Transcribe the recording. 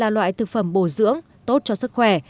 ba loại thực phẩm bổ dưỡng tốt cho sức khỏe